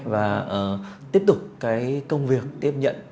và tiếp tục công việc tiếp nhận